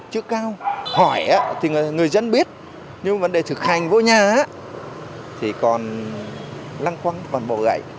hỏi thì người dân biết nhưng vấn đề thực hành vô nhà thì còn lăng quăng còn bổ gãy